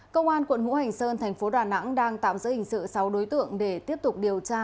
công an quận hữu hành sơn thành phố đà nẵng đang tạm giữ hình sự sáu đối tượng để tiếp tục điều tra